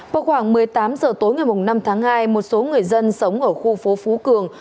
vào khoảng một mươi tám h tối ngày năm tháng hai một số người dân sống ở khu phố phú cường